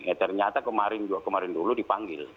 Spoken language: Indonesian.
eh ternyata kemarin dulu dipanggil